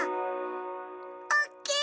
おっきい！